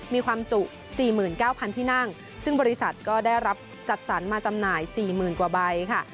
มีความจุ๔๙๐๐ที่นั่งซึ่งบริษัทก็ได้รับจัดสรรมาจำหน่าย๔๐๐๐กว่าใบค่ะ